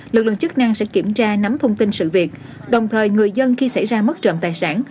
lực lượng chức năng sẽ kiểm tra nắm thông tin sự việc đồng thời người dân khi xảy ra mất trộm tài sản